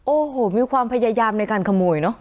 โอ้โหมีความพยายามในการขโมยเนอะ